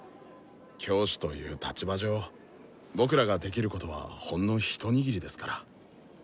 教師という立場上僕らができることはほんの一握りですから。